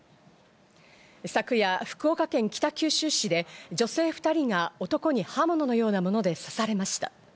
昨夜、福岡県北九州市で女性２人が男に刃物のようなもので刺されました。